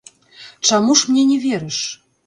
Чаму ж мне не верыш?